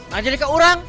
gak jadi keurang